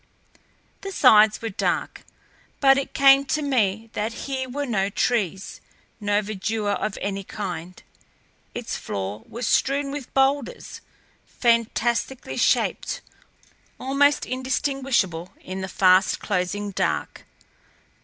The sides were dark, but it came to me that here were no trees, no verdure of any kind. Its floor was strewn with boulders, fantastically shaped, almost indistinguishable in the fast closing dark.